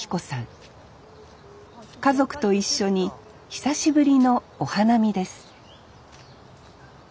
家族と一緒に久しぶりのお花見です